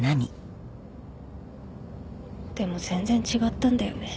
でも全然違ったんだよね。